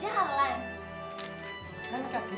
kita harus pergi